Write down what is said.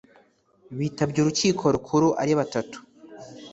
bitabye urukiko rukuru ari batatu